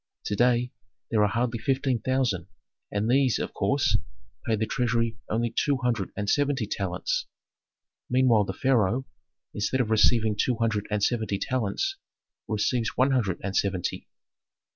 To day there are hardly fifteen thousand, and these, of course, pay the treasury only two hundred and seventy talents. Meanwhile the pharaoh, instead of receiving two hundred and seventy talents, receives one hundred and seventy.